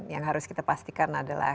yang harus kita pastikan adalah